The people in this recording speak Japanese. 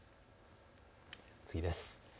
次です。